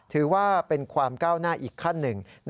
ถือว่าเป็นความก้าวหน้าอีกขั้นหนึ่ง